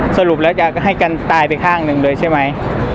สรุปแล้วจะให้กันตายไปข้างหนึ่งเลยใช่ไหม